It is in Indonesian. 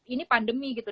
ini pandemi gitu